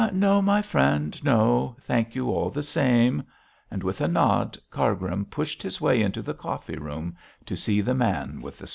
'No, my friend, no; thank you all the same,' and with a nod Cargrim pushed his way into the coffee room to see the man with the scar.